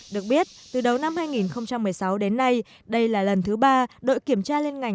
được biết từ đầu năm hai nghìn một mươi sáu đến nay đây là lần thứ ba đội kiểm tra liên ngành